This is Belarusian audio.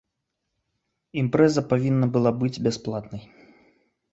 Імпрэза павінна была быць бясплатнай.